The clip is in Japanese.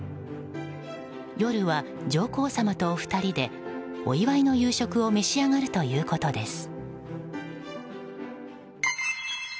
夜は、上皇さまとお二人でお祝いの夕食を召し上がるということです。